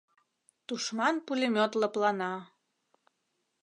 Тушман пулемёт лыплана.